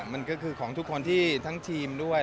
มันก็คือทั้งทีมด้วย